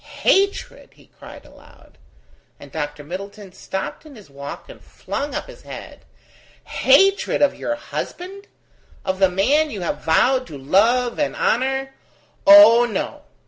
"Hatred?" he cried aloud, and Dr. Middleton stopped in his walk and flung up his head: "Hatred of your husband? of the man you have vowed to love and honour? Oh, no!